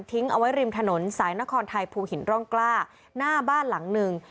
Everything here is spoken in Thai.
เอาไว้ริมถนนสายนครไทยภูหินร่องกล้าหน้าบ้านหลังหนึ่ง